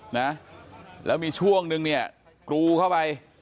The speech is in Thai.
นะแล้วมีช่วงนึงเนี่ยกรูเข้าไป